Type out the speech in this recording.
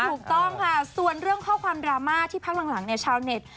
ถูกต้องค่ะส่วนเรื่องข้อความดราม่าที่พักหลังเนี่ยชาวเน็ต